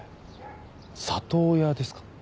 里親ですか？